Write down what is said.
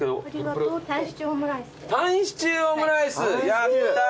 やったー！